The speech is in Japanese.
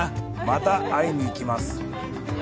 また会いにいきます！